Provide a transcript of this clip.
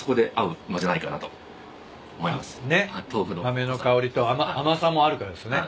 豆の香りと甘さもあるからですね。